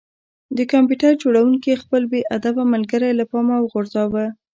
د کمپیوټر جوړونکي خپل بې ادبه ملګری له پامه وغورځاوه